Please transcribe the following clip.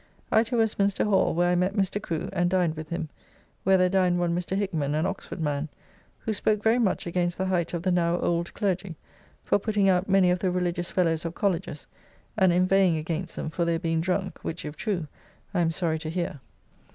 I to Westminster Hall, where I met Mr. Crew and dined with him, where there dined one Mr. Hickeman, an Oxford man, who spoke very much against the height of the now old clergy, for putting out many of the religious fellows of Colleges, and inveighing against them for their being drunk, which, if true, I am sorry to hear.